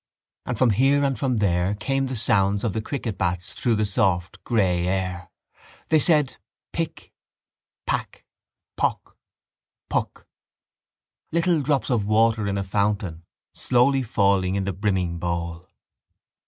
And from here and from there came the sounds of the cricket bats through the soft grey air. They said: pick, pack, pock, puck: little drops of water in a fountain slowly falling in the brimming bowl.